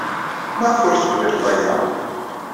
Maɣef ur teqbileḍ aya?